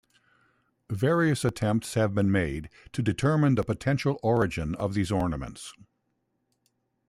Various attempts have been made to determine the potential origin of these ornaments.